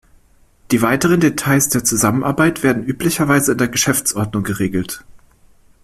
Die weiteren Details der Zusammenarbeit werden üblicherweise in der Geschäftsordnung geregelt.